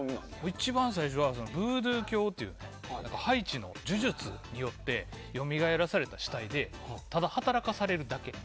一番最初はブードゥー教というハイチの呪術によってよみがえらされた死体でただ働かせられるだけ。